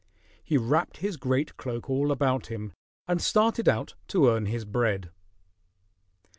He wrapped his great cloak all about him and started out to earn his bread.